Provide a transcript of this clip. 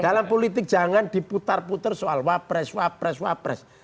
dalam politik jangan diputar putar soal wapres wapres wapres